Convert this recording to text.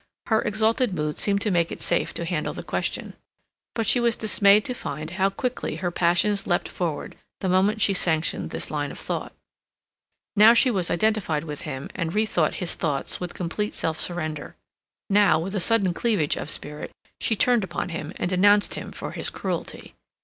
Her exalted mood seemed to make it safe to handle the question. But she was dismayed to find how quickly her passions leapt forward the moment she sanctioned this line of thought. Now she was identified with him and rethought his thoughts with complete self surrender; now, with a sudden cleavage of spirit, she turned upon him and denounced him for his cruelty.